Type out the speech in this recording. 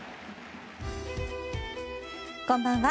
こんばんは。